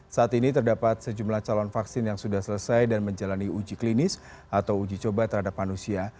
saat ini terdapat sejumlah calon vaksin yang sudah selesai dan menjalani uji klinis atau uji coba terhadap manusia